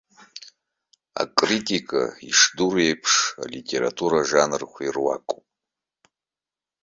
Акритика, ишдыру еиԥш, алитература ажанрқәа ируакуп.